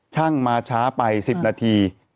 ช่างมาช้าไป๑๐นาที